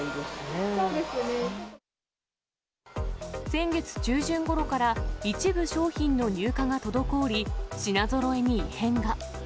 先月中旬ごろから、一部商品の入荷が滞り、品ぞろえに異変が。